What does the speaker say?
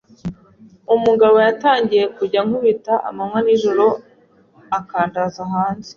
umugabo yatangiye kujya ankubita amanywa n’ijoro akandaza hanze,